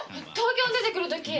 東京に出てくる時。